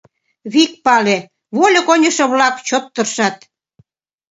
Вик пале: вольык ончышо-влак чот тыршат.